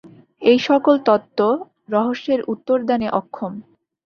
এই-সকল তত্ত্ব রহস্যের উত্তরদানে অক্ষম।